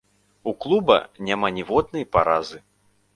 У клуба няма ніводнай паразы.